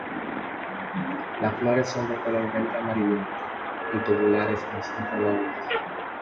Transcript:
Las flores son de color verde amarillento y tubulares con cinco lóbulos.